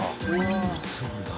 打つんだ。